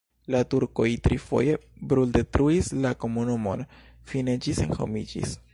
La turkoj trifoje bruldetruis la komunumon, fine ĝi senhomiĝis.